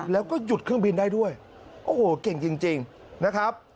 แล้วก็หยุดเครื่องบินได้ด้วยโอ้โหเก่งจริงนะครับ